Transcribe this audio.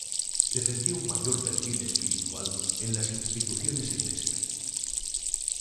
Defendió un mayor perfil espiritual en las instituciones eclesiásticas.